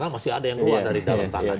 masih ada yang keluar dari dalam tanda